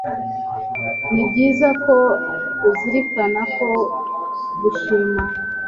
Ni byiza ko uzirikana ko gushima